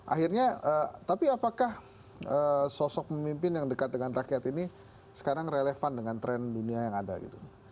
akhirnya tapi apakah sosok pemimpin yang dekat dengan rakyat ini sekarang relevan dengan tren dunia yang ada gitu